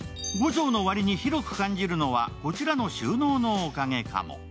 ５畳の割に広く感じるのは、こちらの収納のおかげかも。